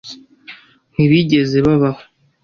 Ntibigeze babaho